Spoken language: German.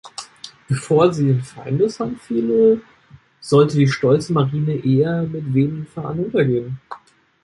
Bevor sie in Feindeshand fiele, sollte die stolze Marine eher mit wehenden Fahnen untergehen.